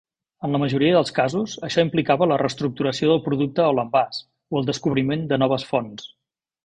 En la majoria dels casos, això implicava la reestructuració del producte o l'envàs, o el descobriment de noves fonts.